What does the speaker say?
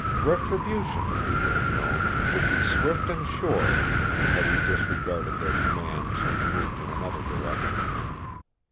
Retribution, he would have known, would be swift and sure had he disregarded their commands and moved in another direction.